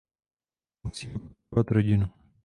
Musíme podporovat rodinu.